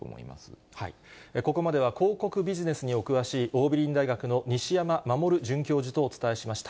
ここまでは広告ビジネスにお詳しい、桜美林大学の西山守准教授とお伝えしました。